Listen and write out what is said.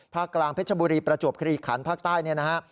กลางเพชรบุรีประจวบคลีขันภาคใต้เนี่ยนะฮะ